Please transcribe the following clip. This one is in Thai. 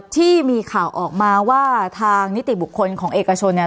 ที่มีข่าวออกมาว่าทางนิติบุคคลของเอกชนเนี่ย